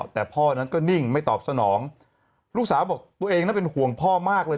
แต่พ่อนั้นก็นิ่งไม่ตอบสนองลูกสาวบอกตัวเองนั้นเป็นห่วงพ่อมากเลย